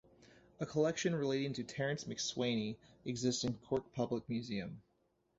A collection relating to Terence MacSwiney exists in Cork Public Museum.